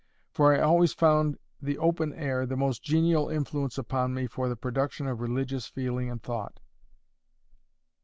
For I always found the open air the most genial influence upon me for the production of religious feeling and thought.